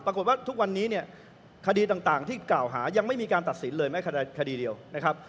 ปรากฏว่าทุกวันนี้เนี่ยคดีต่างที่กล่าวหายังไม่มีการตัดสินเลยแม้คดีเดียวนะครับ